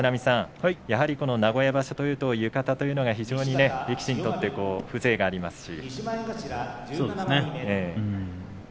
やはり名古屋場所というと浴衣というのが非常に力士にとって風情がありますし。